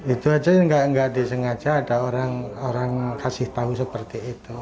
itu aja nggak disengaja ada orang kasih tahu seperti itu